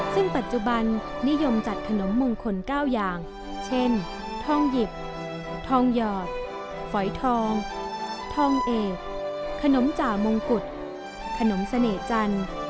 ซึ่งปัจจุบันนิยมจัดขนมมงคล๙อย่างเช่นทองหยิบทองหยอดฝอยทองทองเอกขนมจ่ามงกุฎขนมเสน่ห์จันทร์